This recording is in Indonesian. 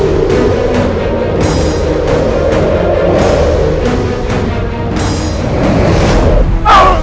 aku sudah menang